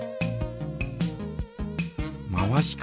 回し方。